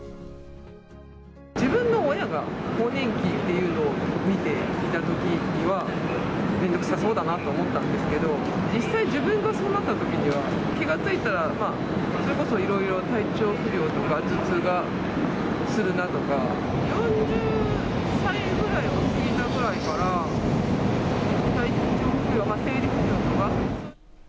自分の親が更年期っていうのを見ていたときには、めんどくさそうだなと思ったんですけど、実際、自分がそうなったときには、気が付いたら、それこそいろいろ体調不良とか、頭痛がするなとか、４０歳ぐらいを過ぎたぐらいから、体調不良、生理不順とか。